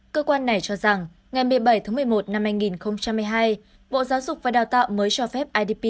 cơ quan này cho rằng ngày một mươi bảy tháng một mươi một năm hai nghìn hai mươi hai bộ giáo dục và đào tạo mới cho phép idp